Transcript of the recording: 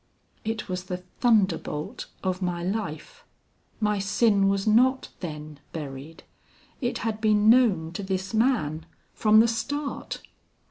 "It was the thunderbolt of my life. My sin was not then buried. It had been known to this man from the start.